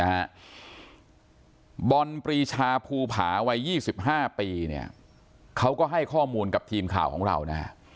นะฮะบอลปรีชาภูผาวัยยี่สิบห้าปีเนี้ยเขาก็ให้ข้อมูลกับทีมข่าวของเรานะฮะ